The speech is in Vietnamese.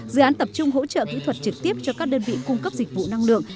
dự án tập trung hỗ trợ kỹ thuật trực tiếp cho các đơn vị cung cấp dịch vụ năng lượng